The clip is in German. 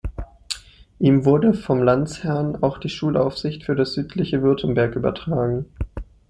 Ihm wurde vom Landesherrn auch die Schulaufsicht für das südliche Württemberg übertragen.